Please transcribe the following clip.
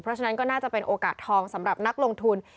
เพราะฉะนั้นก็น่าจะเป็นโอกาสทองสำหรับนักลงทุน